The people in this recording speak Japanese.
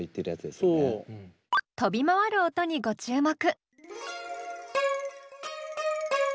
飛び回る音にご注目！